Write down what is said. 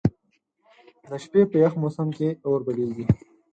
د شپې په یخ موسم کې اور بليږي.